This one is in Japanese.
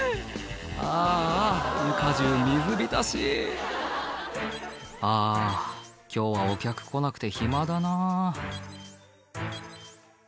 ああ床中水浸し「あ今日はお客来なくて暇だな」